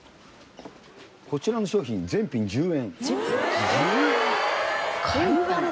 「こちらの商品全品１０円」１０円！？